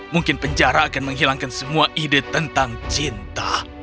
mungkin penjara akan menghilangkan semua ide tentang cinta